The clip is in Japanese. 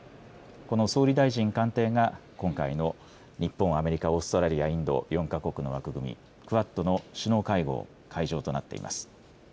この総理大臣官邸が今回の日本、アメリカ、オーストラリア、インド、４か国の枠組み、クアッドの首脳会合の会場となっています。